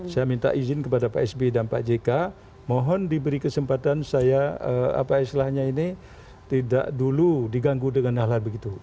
saya minta izin kepada pak sby dan pak jk mohon diberi kesempatan saya apa istilahnya ini tidak dulu diganggu dengan hal hal begitu